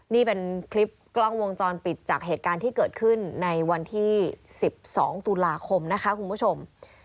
นี่เป็นคลิปกล้องวงจรปิดจากเหตุการณ์ที่เกิดขึ้นในวันที่๑๒ตุลาคมนะคะคุณผู้ชม